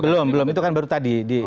belum belum itu kan baru tadi